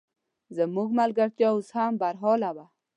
زموږ ملګرتیا اوس هم برحاله وه.